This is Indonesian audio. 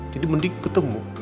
jadi mending ketemu